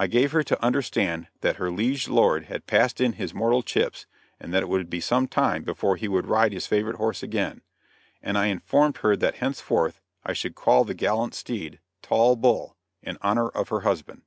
I gave her to understand that her liege lord had passed in his mortal chips and that it would be sometime before he would ride his favorite horse again, and I informed her that henceforth I should call the gallant steed "Tall Bull," in honor of her husband.